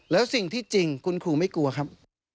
แล้วสิ่งที่จริงคุณครูไม่กลัวครับ